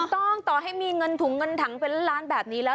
ต้องต่อให้มีเงินถุงเงินถังเป็นล้านแบบนี้แล้ว